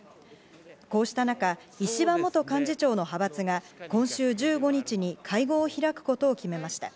こうした中石破元幹事長の派閥が今週１５日に会合を開くことを決めました。